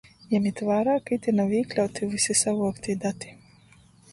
Jemit vārā, ka ite nav īkļauti vysi savuoktī dati.